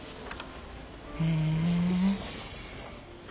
へえ。